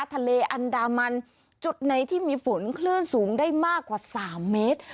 ทะเลอันดามันจุดไหนที่มีฝนคลื่นสูงได้มากกว่า๓เมตร